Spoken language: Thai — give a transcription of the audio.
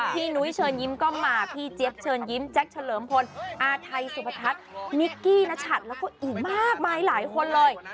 นุ้ยเชิญยิ้มก็มาพี่เจี๊ยบเชิญยิ้มแจ็คเฉลิมพลอาทัยสุพทัศน์นิกกี้นัชัดแล้วก็อีกมากมายหลายคนเลย